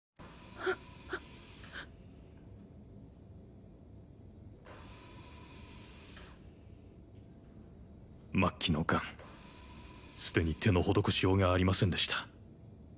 ・末期のガンすでに手の施しようがありませんでした